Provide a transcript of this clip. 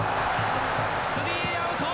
スリーアウト！